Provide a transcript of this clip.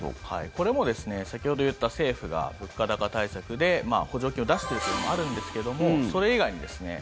これもですね先ほど言った政府が物価高対策で補助金を出しているというのもあるんですけどもそれ以外にですね